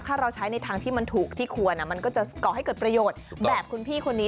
ถ้าเราใช้ในทางที่มันถูกที่ควรมันก็จะก่อให้เกิดประโยชน์แบบคุณพี่คนนี้